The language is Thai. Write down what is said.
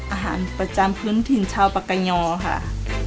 อาหารประจำพื้นถิ่นชาวปากกายอค่ะ